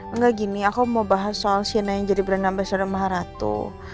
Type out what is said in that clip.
enggak gini aku mau bahas soal sienna yang jadi brand ambassador maharatu